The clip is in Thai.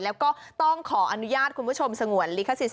แล้วก็ต้องขออนุญาตคุณผู้ชมสงวนลิขสิทธ